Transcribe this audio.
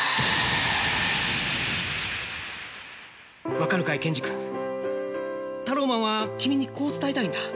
分かるかい健二君タローマンは君にこう伝えたいんだ。